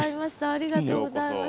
ありがとうございます。